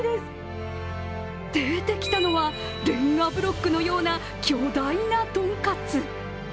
出てきたのはレンガブロックのような巨大なトンカツ。